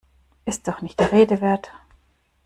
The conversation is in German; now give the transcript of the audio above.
Ist doch nicht der Rede wert!